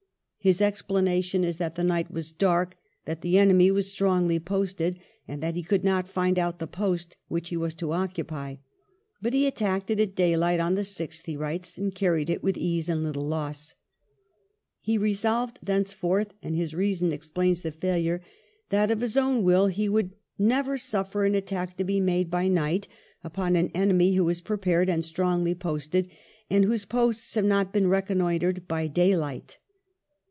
His explanation is that the night was dark, that the enemy was strongly posted, and that he " could not find out the post " which he was to occupy ; but he attacked it at daylight on the 6th, he writes, and " carried it with ease and little loss." He resolved thenceforth, and his reason explains the failure, that of his own will he would "never suffer an attack to be made by night upon an enemy who is prepared and strongly posted, and whose posts have not been reconnoitred by daylight."